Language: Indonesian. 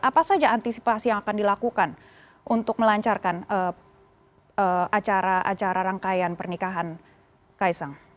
apa saja antisipasi yang akan dilakukan untuk melancarkan acara acara rangkaian pernikahan kaisang